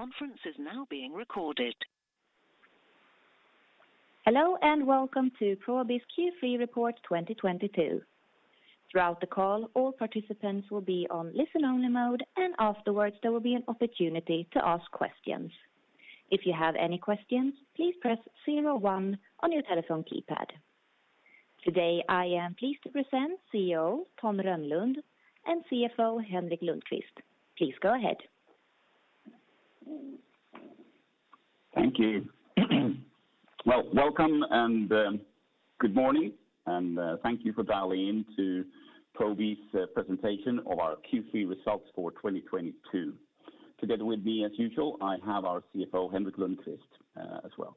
The conference is now being recorded. Hello and welcome to Probi's Q3 Report 2022. Throughout the call, all participants will be on listen only mode, and afterwards there will be an opportunity to ask questions. If you have any questions, please press zero one on your telephone keypad. Today, I am pleased to present CEO Tom Rönnlund and CFO Henrik Lundkvist. Please go ahead. Thank you. Well, welcome and good morning, and thank you for dialing in to Probi's Presentation of our Q3 Results for 2022. Together with me as usual, I have our CFO, Henrik Lundkvist, as well.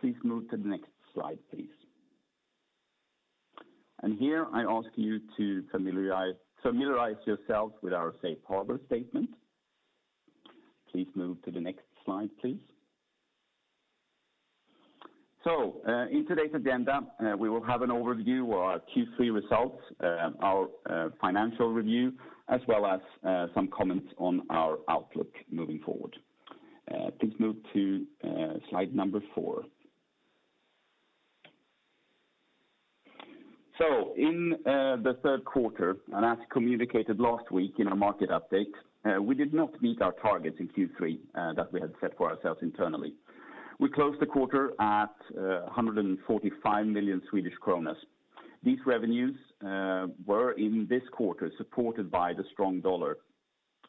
Please move to the next slide, please. Here I ask you to familiarize yourselves with our safe harbor statement. Please move to the next slide, please. In today's agenda, we will have an overview of our Q3 results, our financial review, as well as some comments on our outlook moving forward. Please move to slide number 4. In the third quarter, as communicated last week in our market update, we did not meet our targets in Q3 that we had set for ourselves internally. We closed the quarter at 145 million Swedish kronor. These revenues were in this quarter supported by the strong dollar,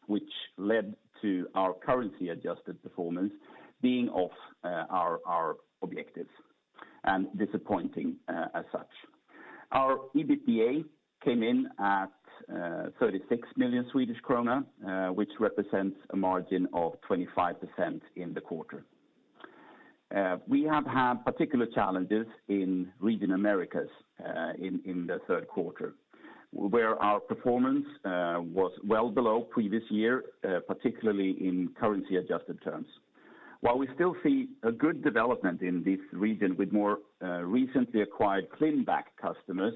which led to our currency adjusted performance being off our objectives and disappointing as such. Our EBITDA came in at 36 million Swedish krona, which represents a margin of 25% in the quarter. We have had particular challenges in region Americas in the third quarter, where our performance was well below previous year, particularly in currency adjusted terms. While we still see a good development in this region with more recently acquired ClinBac customers,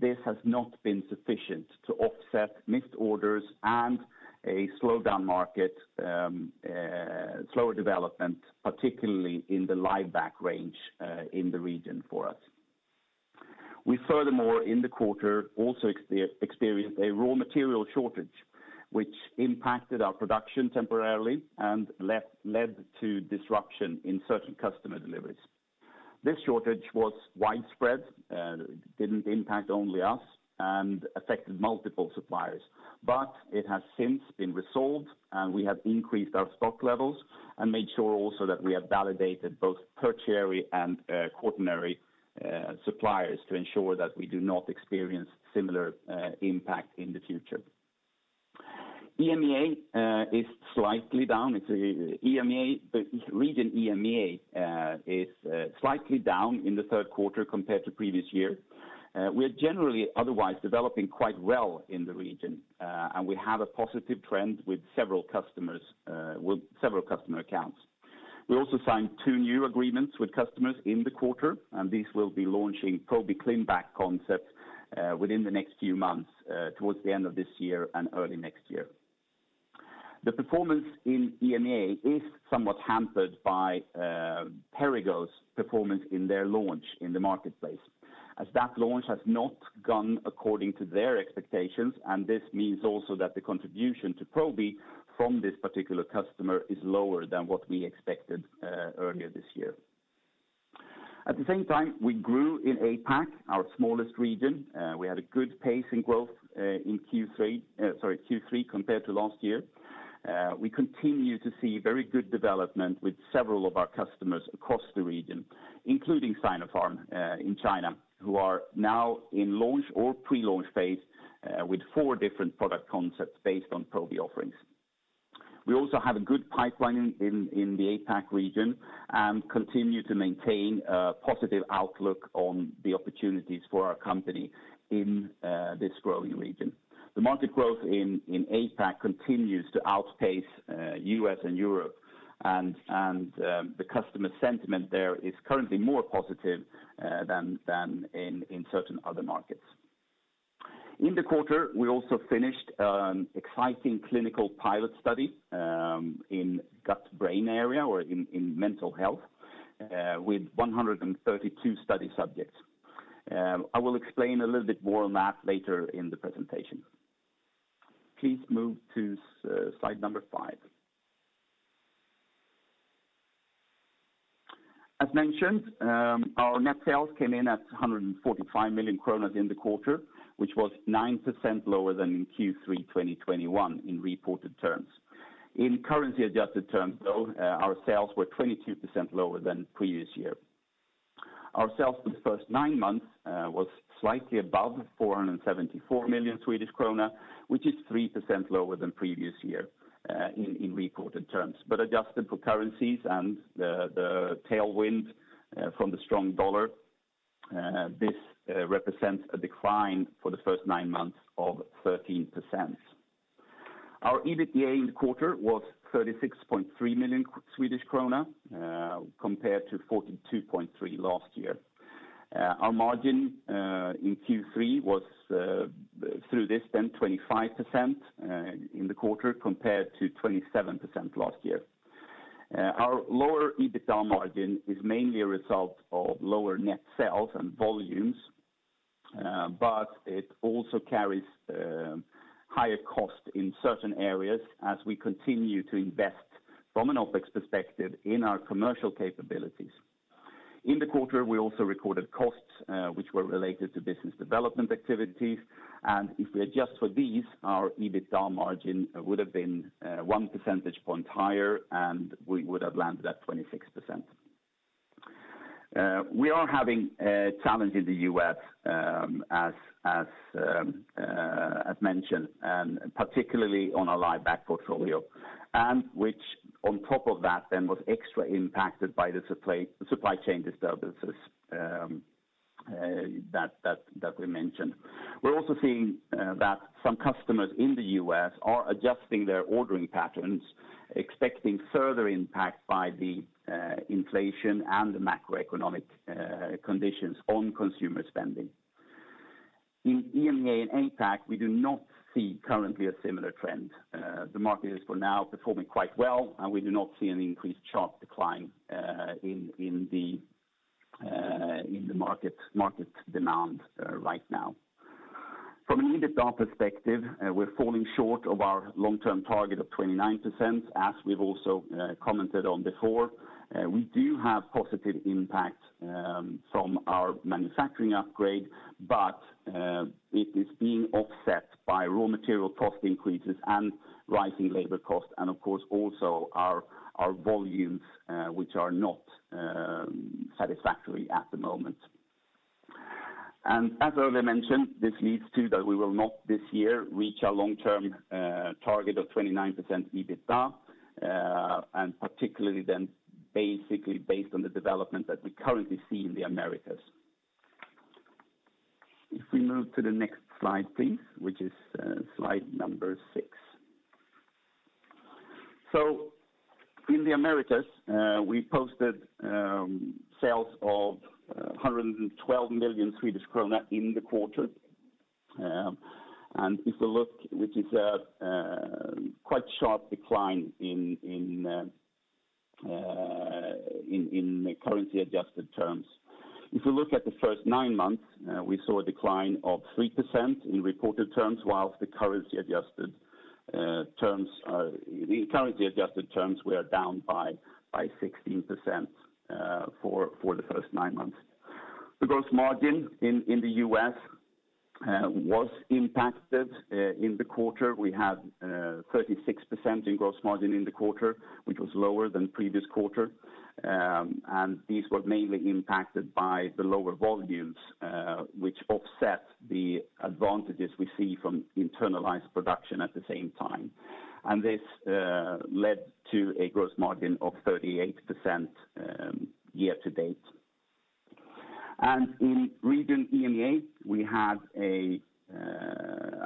this has not been sufficient to offset missed orders and a slowdown market, slower development, particularly in the LiveBac range in the region for us. We furthermore, in the quarter, also experienced a raw material shortage, which impacted our production temporarily and led to disruption in certain customer deliveries. This shortage was widespread, didn't impact only us and affected multiple suppliers. It has since been resolved, and we have increased our stock levels and made sure also that we have validated both tertiary and quaternary suppliers to ensure that we do not experience similar impact in the future. EMEA is slightly down. The region EMEA is slightly down in the third quarter compared to previous year. We are generally otherwise developing quite well in the region, and we have a positive trend with several customer accounts. We also signed two new agreements with customers in the quarter, and these will be launching Probi ClinBac concept within the next few months towards the end of this year and early next year. The performance in EMEA is somewhat hampered by Perrigo's performance in their launch in the marketplace, as that launch has not gone according to their expectations, and this means also that the contribution to Probi from this particular customer is lower than what we expected earlier this year. At the same time, we grew in APAC, our smallest region. We had a good pace in growth in Q3 compared to last year. We continue to see very good development with several of our customers across the region, including Sinopharm in China, who are now in launch or pre-launch phase with four different product concepts based on Probi offerings. We also have a good pipeline in the APAC region and continue to maintain a positive outlook on the opportunities for our company in this growing region. The market growth in APAC continues to outpace US and Europe and the customer sentiment there is currently more positive than in certain other markets. In the quarter, we also finished an exciting clinical pilot study in gut brain area or in mental health with 132 study subjects. I will explain a little bit more on that later in the presentation. Please move to slide number five. As mentioned, our net sales came in at 145 million kronor in the quarter, which was 9% lower than in Q3 2021 in reported terms. In currency adjusted terms, though, our sales were 22% lower than previous year. Our sales for the first nine months was slightly above 474 million Swedish krona, which is 3% lower than previous year in reported terms. Adjusted for currencies and the tailwind from the strong dollar, this represents a decline for the first nine months of 13%. Our EBITDA in the quarter was 36.3 million Swedish krona compared to 42.3 million last year. Our margin in Q3 was 25% in the quarter compared to 27% last year. Our lower EBITDA margin is mainly a result of lower net sales and volumes, but it also carries higher cost in certain areas as we continue to invest from an OpEx perspective in our commercial capabilities. In the quarter, we also recorded costs, which were related to business development activities, and if we adjust for these, our EBITDA margin would have been one percentage point higher, and we would have landed at 26%. We are having a challenge in the U.S., as mentioned, and particularly on our LiveBac portfolio, and which on top of that then was extra impacted by the supply chain disturbances that we mentioned. We're also seeing that some customers in the US are adjusting their ordering patterns, expecting further impact by the inflation and the macroeconomic conditions on consumer spending. In EMEA and APAC, we do not see currently a similar trend. The market is for now performing quite well, and we do not see an increased sharp decline in the market demand right now. From an EBITDA perspective, we're falling short of our long-term target of 29%. As we've also commented on before, we do have positive impact from our manufacturing upgrade, but it is being offset by raw material cost increases and rising labor costs, and of course also our volumes which are not satisfactory at the moment. As earlier mentioned, this leads to that we will not this year reach our long-term target of 29% EBITDA, and particularly then basically based on the development that we currently see in the Americas. If we move to the next slide, please, which is slide number six. In the Americas, we posted sales of 112 million Swedish krona in the quarter. And if you look, which is a quite sharp decline in currency adjusted terms. If you look at the first nine months, we saw a decline of 3% in reported terms, while the currency adjusted terms were down by 16% for the first nine months. The gross margin in the U.S. was impacted in the quarter. We had 36% in gross margin in the quarter, which was lower than previous quarter. These were mainly impacted by the lower volumes, which offset the advantages we see from internalized production at the same time. This led to a gross margin of 38% year to date. In region EMEA,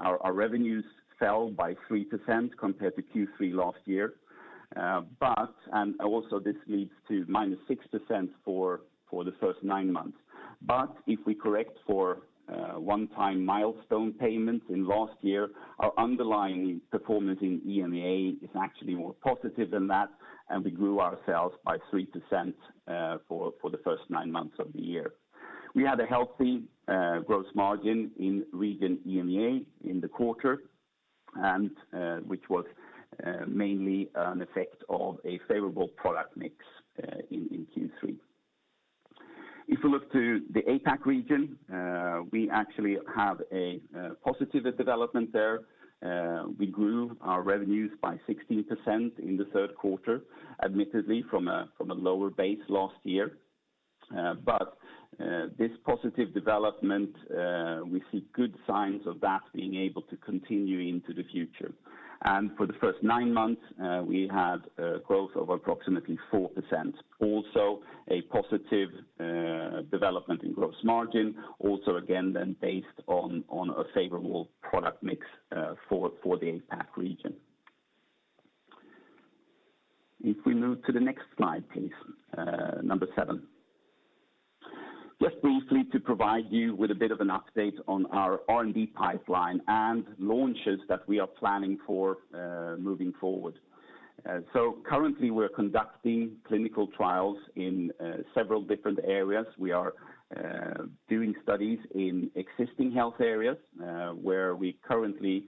our revenues fell by 3% compared to Q3 last year. This leads to -6% for the first nine months. If we correct for one-time milestone payments in last year, our underlying performance in EMEA is actually more positive than that, and we grew our sales by 3% for the first nine months of the year. We had a healthy gross margin in region EMEA in the quarter, and which was mainly an effect of a favorable product mix in Q3. If you look to the APAC region, we actually have a positive development there. We grew our revenues by 16% in the third quarter, admittedly from a lower base last year. But this positive development, we see good signs of that being able to continue into the future. For the first nine months, we had a growth of approximately 4%. Also a positive development in gross margin. Also again, then based on a favorable product mix for the APAC region. If we move to the next slide, please, number seven. Just briefly to provide you with a bit of an update on our R&D pipeline and launches that we are planning for, moving forward. Currently we're conducting clinical trials in several different areas. We are doing studies in existing health areas, where we currently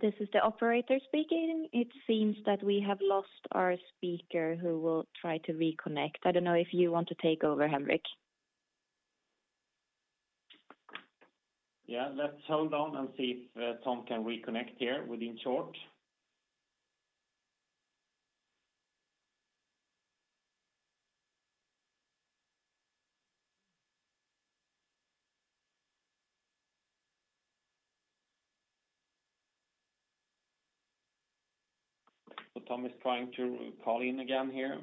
This is the operator speaking. It seems that we have lost our speaker, who we'll try to reconnect. I don't know if you want to take over, Henrik. Yeah, let's hold on and see if Tom can reconnect here within short. Tom is trying to call in again here.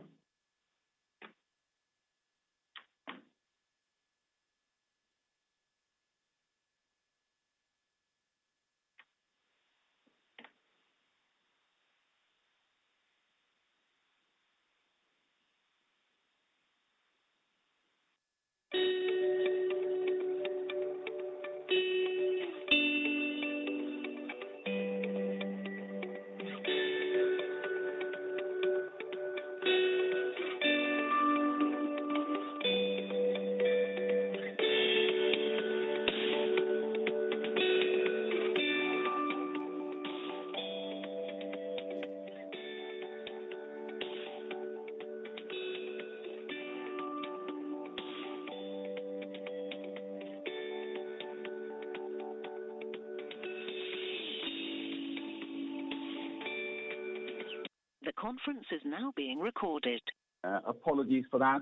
The conference is now being recorded. Apologies for that.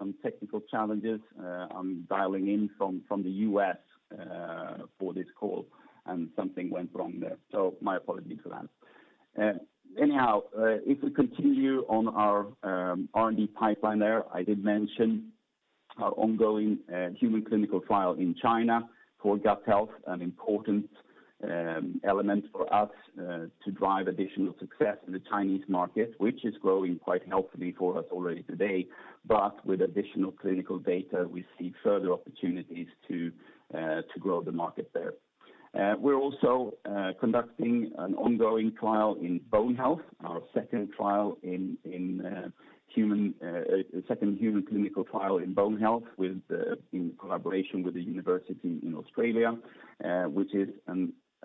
Some technical challenges. I'm dialing in from the U.S. for this call, and something went wrong there. My apologies for that. Anyhow, if we continue on our R&D pipeline there, I did mention our ongoing human clinical trial in China for gut health, an important element for us to drive additional success in the Chinese market, which is growing quite healthily for us already today. With additional clinical data, we see further opportunities to grow the market there. We're also conducting an ongoing trial in bone health. Our second human clinical trial in bone health in collaboration with a university in Australia, which is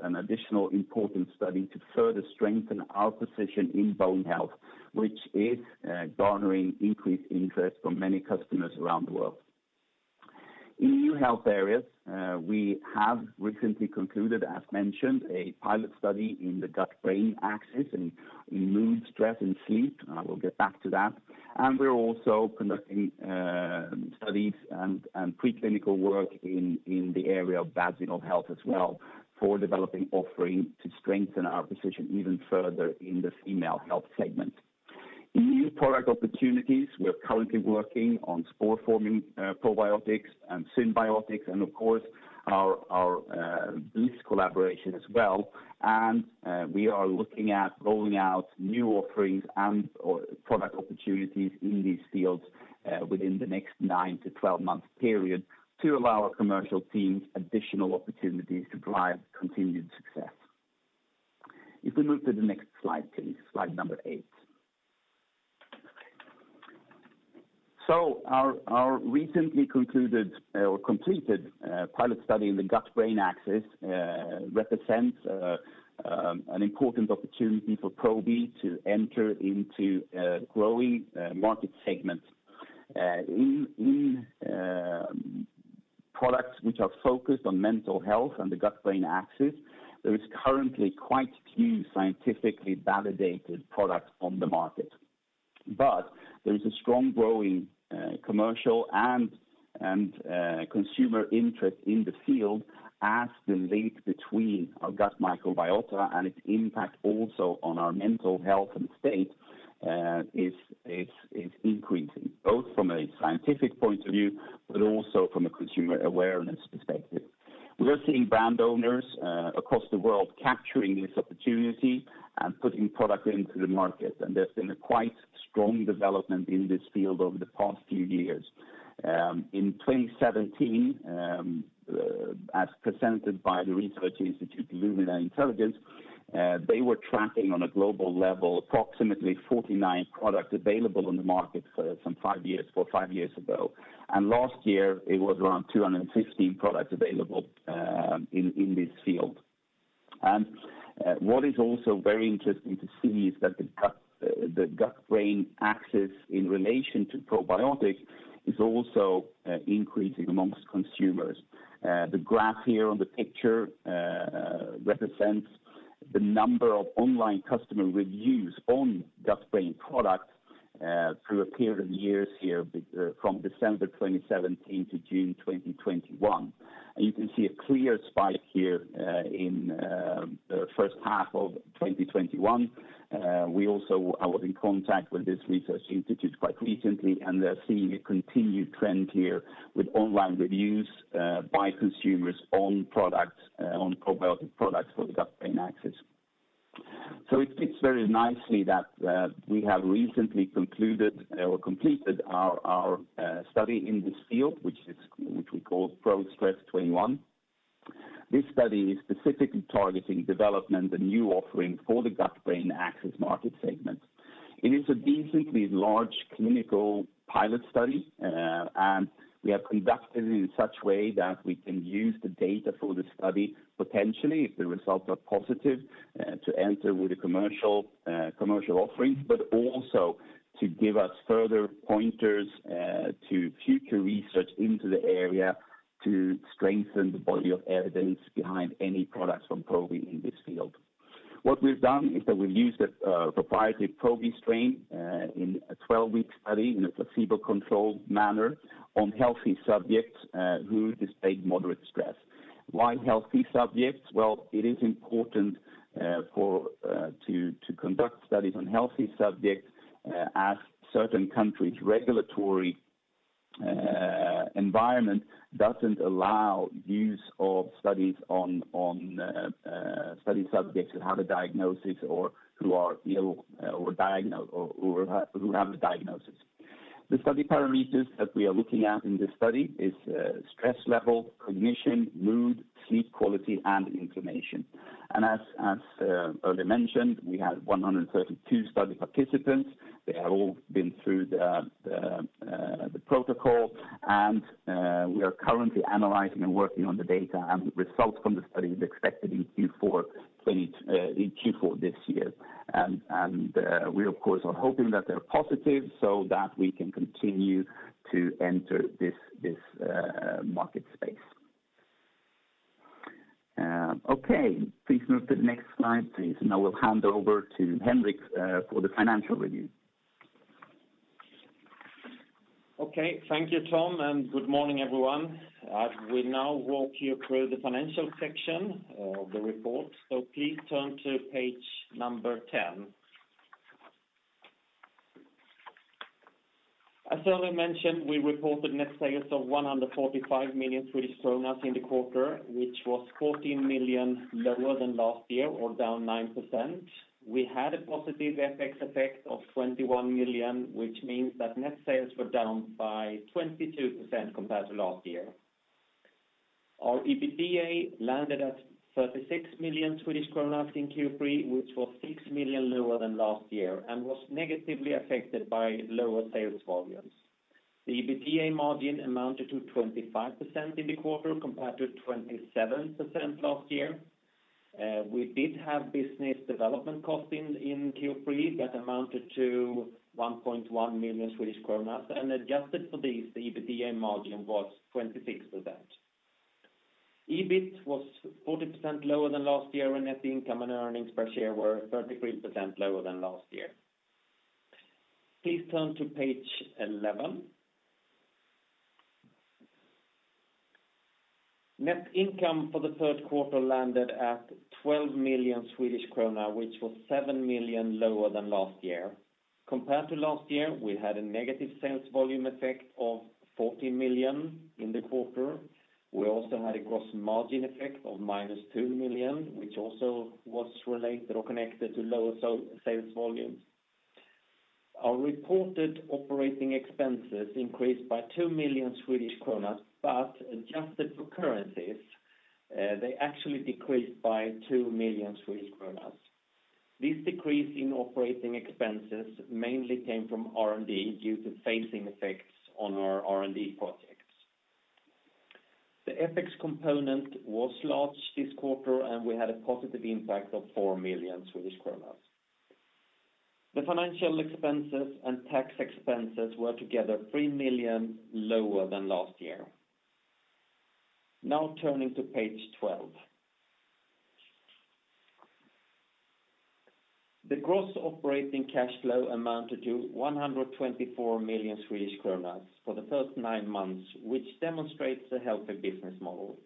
an additional important study to further strengthen our position in bone health, which is garnering increased interest from many customers around the world. In new health areas, we have recently concluded, as mentioned, a pilot study in the Gut-Brain axis in mood, stress, and sleep. I will get back to that. We're also conducting studies and preclinical work in the area of vaginal health as well for developing offering to strengthen our position even further in the female health segment. In new product opportunities, we are currently working on spore-forming probiotics and synbiotics and of course, our BLIS collaboration as well. We are looking at rolling out new offerings and/or product opportunities in these fields, within the next 9-12 month period to allow our commercial teams additional opportunities to drive continued success. If we move to the next slide, please, slide number 8. Our recently concluded or completed pilot study in the Gut-Brain axis represents an important opportunity for Probi to enter into a growing market segment. In products which are focused on mental health and the Gut-Brain axis, there is currently quite a few scientifically validated products on the market. There is a strong growing commercial and consumer interest in the field as the link between our gut microbiota and its impact also on our mental health and state is increasing, both from a scientific point of view, but also from a consumer awareness perspective. We are seeing brand owners across the world capturing this opportunity and putting product into the market, and there's been a quite strong development in this field over the past few years. In 2017, as presented by the research institute Lumina Intelligence, they were tracking on a global level approximately 49 products available on the market some four or five years ago. Last year it was around 215 products available in this field. What is also very interesting to see is that the Gut-Brain axis in relation to probiotics is also increasing among consumers. The graph here on the picture represents the number of online customer reviews on Gut-Brain products through a period of years from December 2017 to June 2021. You can see a clear spike here in the first half of 2021. I was in contact with this research institute quite recently, and they're seeing a continued trend here with online reviews by consumers on probiotic products for the Gut-Brain axis. It fits very nicely that we have recently concluded or completed our study in this field, which we call ProStress21. This study is specifically targeting development and new offering for the Gut-Brain axis market segment. It is a decently large clinical pilot study, and we have conducted in such way that we can use the data for the study, potentially, if the results are positive, to enter with a commercial offering, but also to give us further pointers to future research into the area to strengthen the body of evidence behind any products from Probi in this field. What we've done is that we've used a proprietary Probi strain in a 12-week study in a placebo-controlled manner on healthy subjects who displayed moderate stress. Why healthy subjects? Well, it is important to conduct studies on healthy subjects, as certain countries' regulatory environment doesn't allow use of studies on study subjects that have a diagnosis or who are ill, or who have a diagnosis. The study parameters that we are looking at in this study is stress level, cognition, mood, sleep quality, and inflammation. As earlier mentioned, we had 132 study participants. They have all been through the protocol and we are currently analyzing and working on the data, and results from the study is expected in Q4 this year. We of course are hoping that they're positive so that we can continue to enter this market space. Okay. Please move to the next slide, please, and I will hand over to Henrik for the financial review. Okay. Thank you, Tom, and good morning, everyone. We now walk you through the financial section of the report. Please turn to page 10. As earlier mentioned, we reported net sales of 145 million Swedish kronor in the quarter, which was 14 million lower than last year or down 9%. We had a positive FX effect of 21 million, which means that net sales were down by 22% compared to last year. Our EBITDA landed at 36 million Swedish kronor in Q3, which was 6 million lower than last year and was negatively affected by lower sales volumes. The EBITDA margin amounted to 25% in the quarter compared to 27% last year. We did have business development costs in Q3 that amounted to 1.1 million Swedish kronor, and adjusted for these, the EBITDA margin was 26%. EBIT was 40% lower than last year, and net income and earnings per share were 33% lower than last year. Please turn to page 11. Net income for the third quarter landed at 12 million Swedish krona, which was 7 million lower than last year. Compared to last year, we had a negative sales volume effect of 14 million in the quarter. We also had a gross margin effect of -2 million, which also was related or connected to lower sales volumes. Our reported operating expenses increased by 2 million Swedish kronor, but adjusted for currencies, they actually decreased by 2 million Swedish kronor. This decrease in operating expenses mainly came from R&D due to phasing effects on our R&D projects. The FX component was large this quarter, and we had a positive impact of 4 million Swedish kronor. The financial expenses and tax expenses were together 3 million lower than last year. Now turning to page 12. The gross operating cash flow amounted to 124 million Swedish kronor for the first nine months, which demonstrates a healthy business model.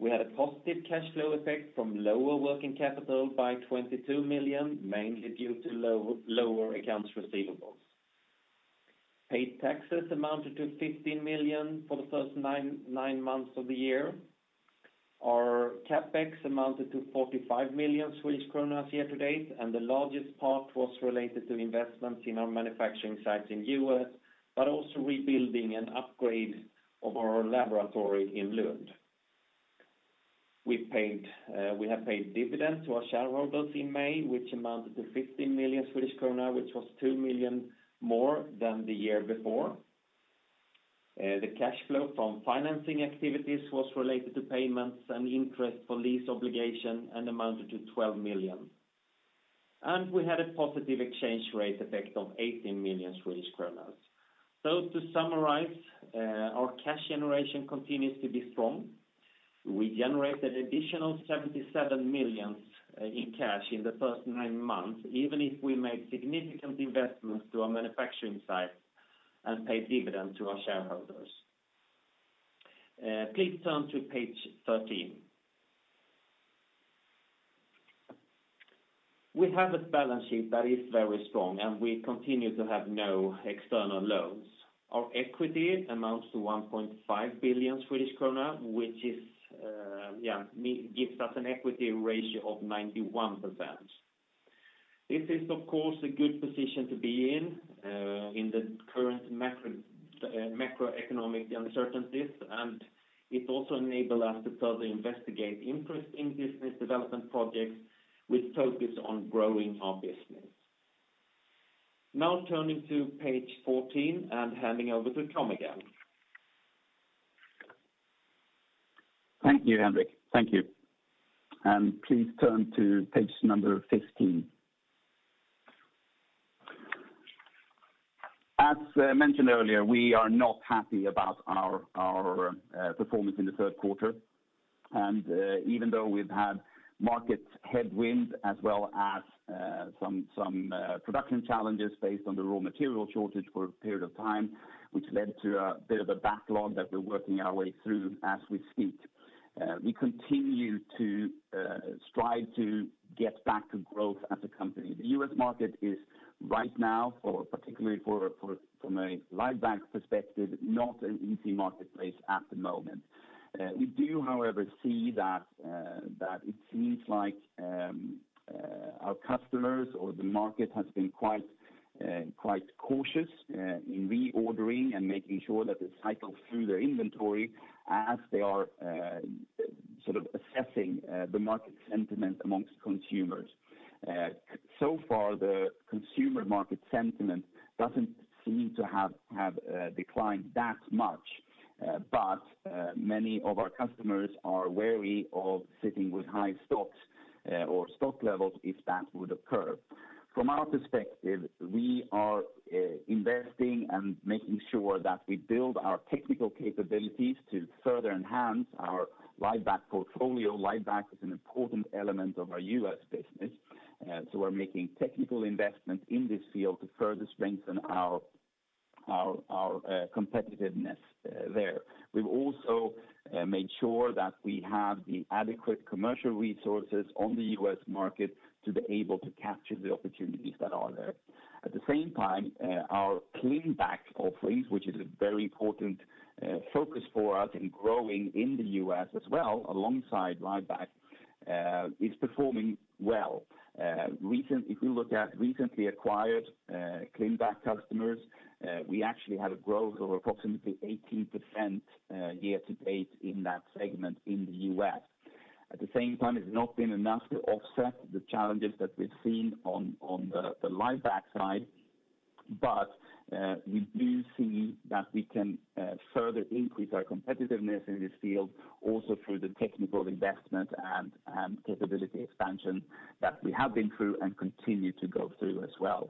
We had a positive cash flow effect from lower working capital by 22 million, mainly due to lower accounts receivables. Paid taxes amounted to 15 million for the first nine months of the year. Our CapEx amounted to 45 million Swedish kronor year to date, and the largest part was related to investments in our manufacturing sites in U.S., but also rebuilding an upgrade of our laboratory in Lund. We have paid dividend to our shareholders in May, which amounted to 15 million Swedish krona, which was 2 million more than the year before. The cash flow from financing activities was related to payments and interest for lease obligation and amounted to 12 million. We had a positive exchange rate effect of 18 million Swedish krona. To summarize, our cash generation continues to be strong. We generated additional 77 million in cash in the first nine months, even if we made significant investments to our manufacturing site and paid dividend to our shareholders. Please turn to page 13. We have a balance sheet that is very strong, and we continue to have no external loans. Our equity amounts to 1.5 billion Swedish krona, which gives us an equity ratio of 91%. This is, of course, a good position to be in the current macroeconomic uncertainties, and it also enable us to further investigate interest in business development projects with focus on growing our business. Now turning to page 14 and handing over to Tom again. Thank you, Henrik. Thank you. Please turn to page number 15. As mentioned earlier, we are not happy about our performance in the third quarter. Even though we've had market headwinds as well as some production challenges based on the raw material shortage for a period of time, which led to a bit of a backlog that we're working our way through as we speak. We continue to strive to get back to growth as a company. The U.S. market is right now, particularly for, from a LiveBac perspective, not an easy marketplace at the moment. We do however see that it seems like our customers or the market has been quite cautious in reordering and making sure that they cycle through their inventory as they are sort of assessing the market sentiment amongst consumers. Far, the consumer market sentiment doesn't seem to have declined that much. Many of our customers are wary of sitting with high stocks or stock levels if that would occur. From our perspective, we are investing and making sure that we build our technical capabilities to further enhance our LiveBac portfolio. LiveBac is an important element of our U.S. business, so we're making technical investment in this field to further strengthen our competitiveness there. We've also made sure that we have the adequate commercial resources on the US market to be able to capture the opportunities that are there. At the same time, our ClinBac offerings, which is a very important focus for us in growing in the US as well alongside LiveBac, is performing well. If we look at recently acquired ClinBac customers, we actually had a growth of approximately 18% year to date in that segment in the US. At the same time, it's not been enough to offset the challenges that we've seen on the LiveBac side, but we do see that we can further increase our competitiveness in this field also through the technical investment and capability expansion that we have been through and continue to go through as well.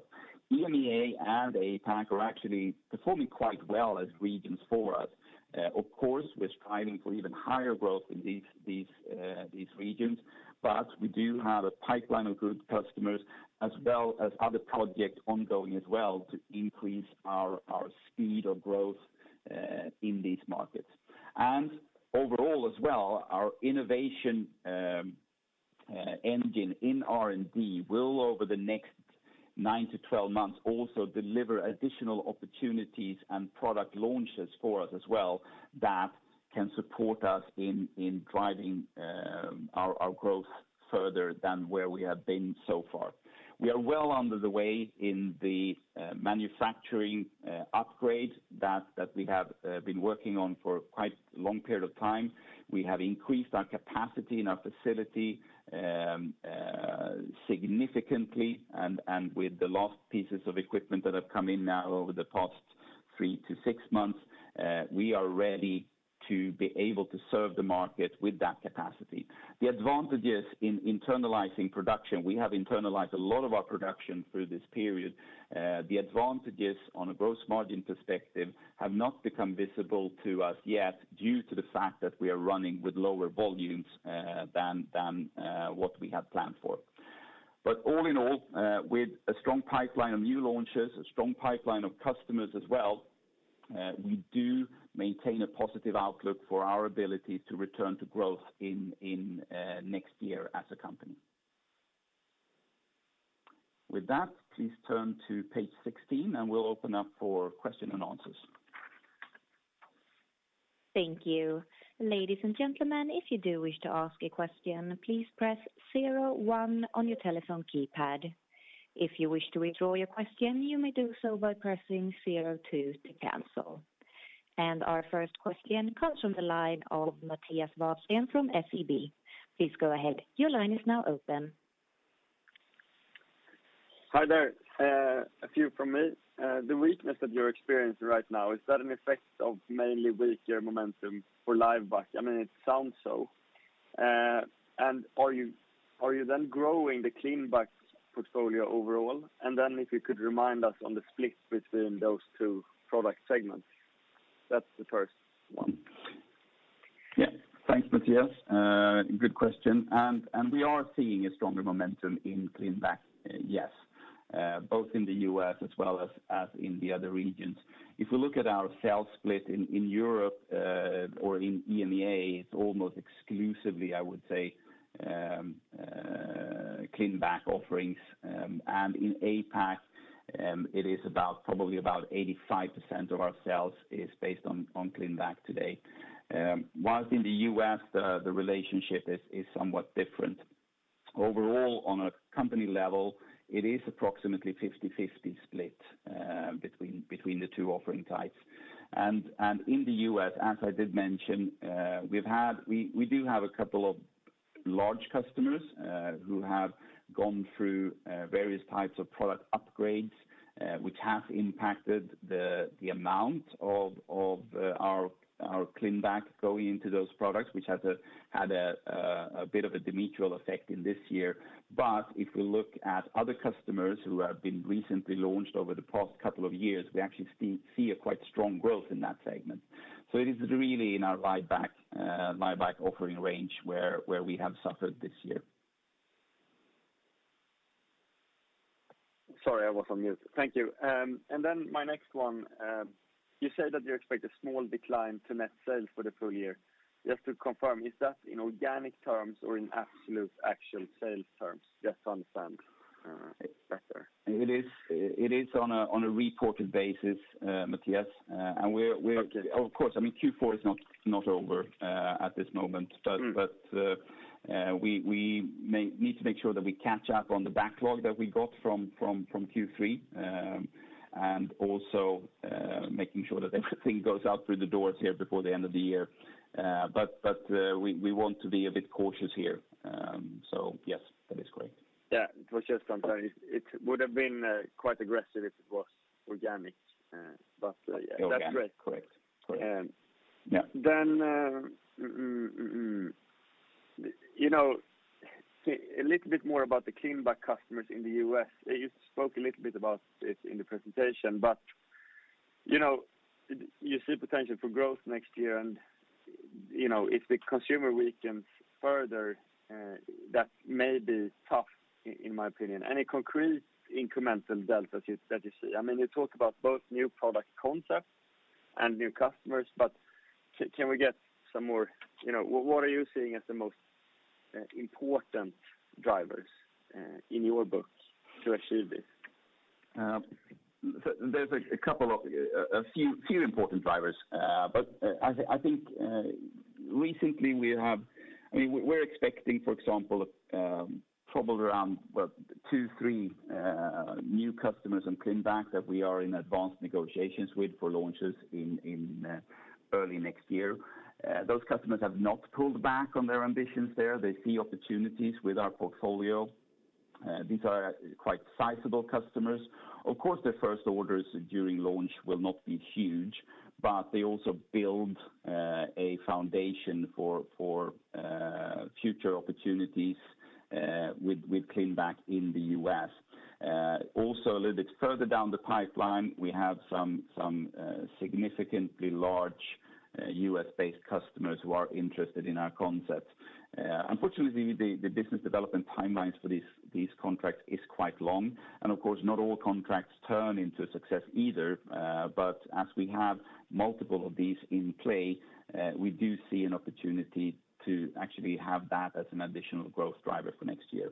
EMEA and APAC are actually performing quite well as regions for us. Of course, we're striving for even higher growth in these regions, but we do have a pipeline of good customers as well as other projects ongoing as well to increase our speed of growth in these markets. Overall as well, our innovation engine in R&D will over the next 9-12 months also deliver additional opportunities and product launches for us as well that can support us in driving our growth further than where we have been so far. We are well underway in the manufacturing upgrade that we have been working on for quite long period of time. We have increased our capacity in our facility significantly and with the last pieces of equipment that have come in now over the past 3-6 months, we are ready to be able to serve the market with that capacity. The advantages in internalizing production, we have internalized a lot of our production through this period. The advantages on a gross margin perspective have not become visible to us yet due to the fact that we are running with lower volumes than what we had planned for. All in all, with a strong pipeline of new launches, a strong pipeline of customers as well, we do maintain a positive outlook for our ability to return to growth in next year as a company. With that, please turn to page 16, and we'll open up for question and answers. Thank you. Ladies and gentlemen, if you do wish to ask a question, please press zero one on your telephone keypad. If you wish to withdraw your question, you may do so by pressing zero two to cancel. Our first question comes from the line of Mattias Vadsten from SEB. Please go ahead. Your line is now open. Hi there. A few from me. The weakness that you're experiencing right now, is that an effect of mainly weaker momentum for LiveBac? I mean, it sounds so. Are you then growing the ClinBac portfolio overall? If you could remind us on the split between those two product segments. That's the first one. Yeah. Thanks, Mattias. Good question. We are seeing a stronger momentum in ClinBac, yes, both in the US as well as in the other regions. If we look at our sales split in Europe, or in EMEA, it's almost exclusively, I would say, ClinBac offerings. In APAC, it is about, probably about 85% of our sales is based on ClinBac today. While in the US, the relationship is somewhat different. Overall on a company level, it is approximately 50/50 split between the two offering types. In the US, as I did mention, we do have a couple of large customers who have gone through various types of product upgrades which have impacted the amount of our ClinBac going into those products, which had a bit of a detrimental effect this year. If we look at other customers who have been recently launched over the past couple of years, we actually see a quite strong growth in that segment. It is really in our LiveBac offering range where we have suffered this year. Sorry, I was on mute. Thank you. My next one, you said that you expect a small decline to net sales for the full year. Just to confirm, is that in organic terms or in absolute actual sales terms? Just to understand, it better. It is on a reported basis, Mattias, and we're Okay. Of course, I mean, Q4 is not over at this moment. Mm. We may need to make sure that we catch up on the backlog that we got from Q3. Also, making sure that everything goes out through the doors here before the end of the year. We want to be a bit cautious here. Yes, that is correct. Yeah. It was just on time. It would have been quite aggressive if it was organic, but yeah. Organic. That's great. Correct. Um- Yeah. You know, a little bit more about the ClinBac customers in the US. You spoke a little bit about it in the presentation, but you know, you see potential for growth next year and you know, if the consumer weakens further, that may be tough in my opinion. Any concrete incremental delta that you see? I mean, you talk about both new product concepts and new customers, but can we get some more? You know, what are you seeing as the most important drivers in your books to achieve this? There's a few important drivers. I think, I mean, we're expecting, for example, probably around 2-3 new customers ClinBac that we are in advanced negotiations with for launches in early next year. Those customers have not pulled back on their ambitions there. They see opportunities with our portfolio. These are quite sizable customers. Of course, their first orders during launch will not be huge, but they also build a foundation for future opportunities ClinBac in the U.S. Also a little bit further down the pipeline, we have some significantly large U.S.-based customers who are interested in our concept. Unfortunately, the business development timelines for these contracts is quite long. Of course, not all contracts turn into success either, but as we have multiple of these in play, we do see an opportunity to actually have that as an additional growth driver for next year.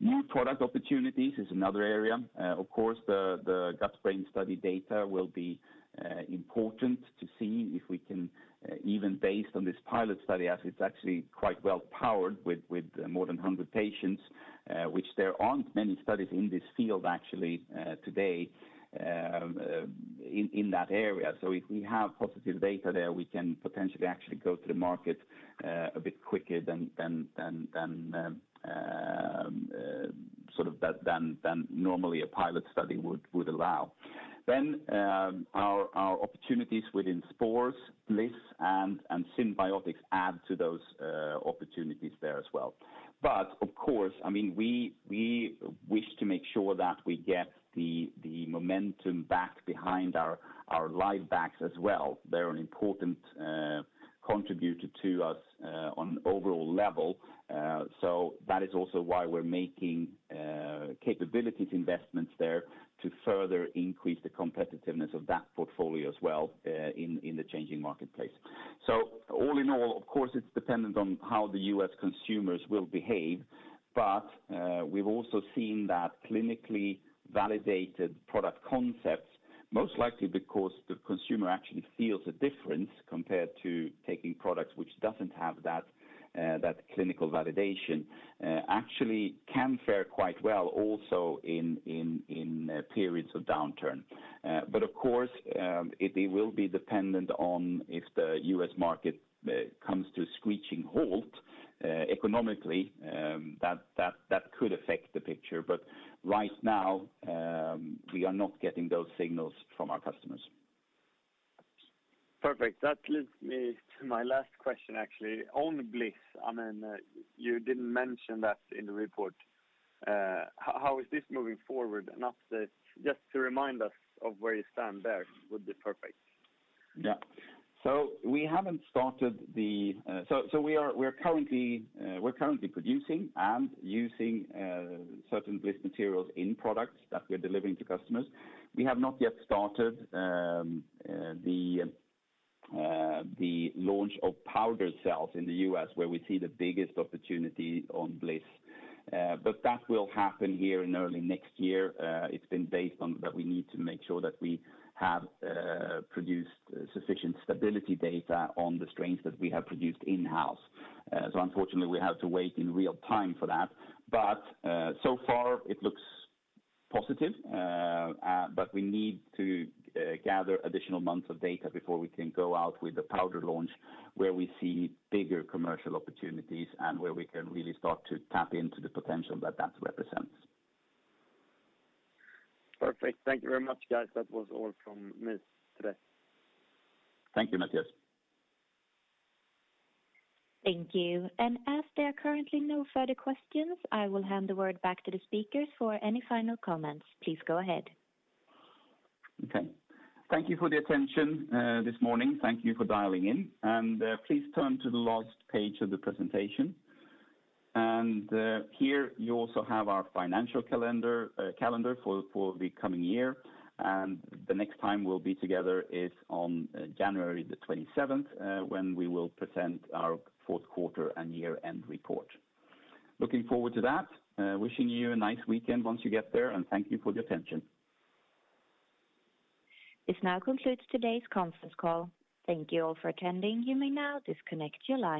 New product opportunities is another area. Of course, the Gut-Brain study data will be important to see if we can even based on this pilot study, as it's actually quite well powered with more than 100 patients, which there aren't many studies in this field actually today in that area. If we have positive data there, we can potentially actually go to the market a bit quicker than sort of normally a pilot study would allow. Our opportunities within spores, BLIS and synbiotics add to those opportunities there as well. Of course, I mean, we wish to make sure that we get the momentum back behind our LiveBac as well. They're an important contributor to us on overall level. That is also why we're making capabilities investments there to further increase the competitiveness of that portfolio as well, in the changing marketplace. All in all, of course, it's dependent on how the U.S. consumers will behave. We've also seen that clinically validated product concepts, most likely because the consumer actually feels a difference compared to taking products which doesn't have that clinical validation, actually can fare quite well also in periods of downturn. Of course, it will be dependent on if the US market comes to a screeching halt economically, that could affect the picture. Right now, we are not getting those signals from our customers. Perfect. That leads me to my last question, actually, on BLIS. I mean, you didn't mention that in the report. How is this moving forward? An update, just to remind us of where you stand there would be perfect. We are currently producing and using certain BLIS materials in products that we're delivering to customers. We have not yet started the launch of powder sachets in the U.S., where we see the biggest opportunity on BLIS. That will happen here in early next year. It's been based on that we need to make sure that we have produced sufficient stability data on the strains that we have produced in-house. Unfortunately, we have to wait in real time for that. So far it looks positive. We need to gather additional months of data before we can go out with the powder launch, where we see bigger commercial opportunities and where we can really start to tap into the potential that that represents. Perfect. Thank you very much, guys. That was all from me today. Thank you, Mattias. Thank you. As there are currently no further questions, I will hand the word back to the speakers for any final comments. Please go ahead. Okay. Thank you for the attention this morning. Thank you for dialing in. Please turn to the last page of the presentation. Here you also have our financial calendar for the coming year. The next time we'll be together is on January the 27th when we will present our fourth quarter and year-end report. Looking forward to that. Wishing you a nice weekend once you get there, and thank you for the attention. This now concludes today's conference call. Thank you all for attending. You may now disconnect your line.